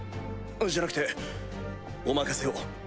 じゃなくてお任せを。